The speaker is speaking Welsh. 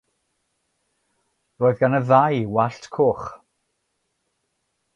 Roedd gan y ddau wallt coch.